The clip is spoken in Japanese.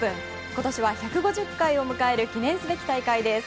今年は１５０回を迎える記念すべき大会です。